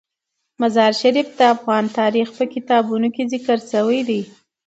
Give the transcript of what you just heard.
مزارشریف د افغان تاریخ په کتابونو کې ذکر شوی دي.